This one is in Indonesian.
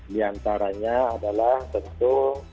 di antaranya adalah tentu